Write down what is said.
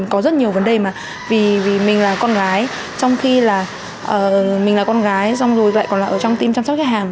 có rất nhiều vấn đề mà vì mình là con gái trong khi là mình là con gái xong rồi lại còn là ở trong tim chăm sóc khách hàng